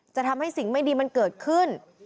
จะทำให้สิ่งไม่ดีมันเกิดขึ้น